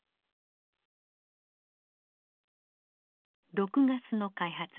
毒ガスの開発です。